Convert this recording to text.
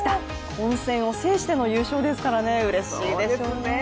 混戦を制しての優勝ですからね、うれしいでしょうね。